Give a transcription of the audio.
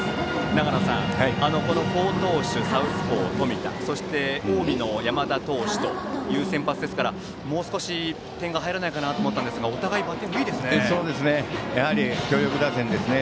長野さん、この好投手サウスポーの冨田そして近江の山田投手という先発ですからもう少し点が入らないかと思ったんですがお互いにバッティングがいいですね。